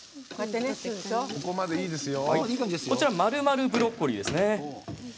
こちら「●●ブロッコリー」です。